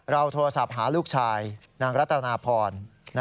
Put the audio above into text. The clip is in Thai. โทรศัพท์หาลูกชายนางรัตนาพร